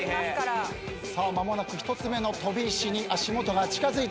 間もなく１つ目の飛び石に足元が近づいていきます。